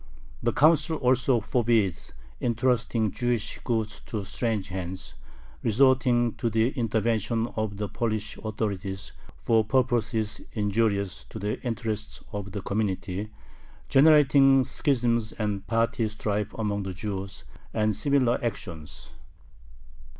The Council also forbids "intrusting Jewish goods to strange hands," resorting to the intervention of the Polish authorities for purposes injurious to the interests of the community, generating schisms and party strife among Jews, and similar actions.